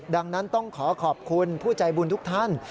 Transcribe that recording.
ดังนั้นต้องขอขอบคุณผู้ใจบุญทุกท่าน